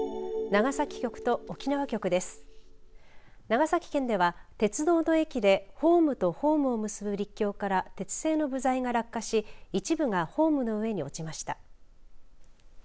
長崎県では鉄道と駅でホームとホームを結ぶ陸橋から鉄製の部材が落下し一部がホームの上に落ちました。